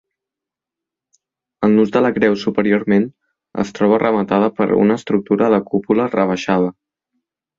El nus de la creu superiorment es troba rematada per una estructura de cúpula rebaixada.